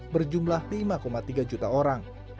berjumlah lima tiga juta orang